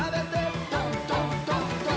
「どんどんどんどん」